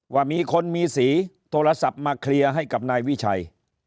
ว่ามีคนมีสีโทรศัพท์มาเคลียร์ให้กับนายวิชัย